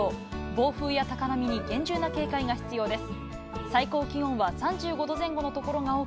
暴風や高波に厳重な警戒が必要です。